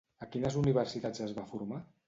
A quines universitats es va formar?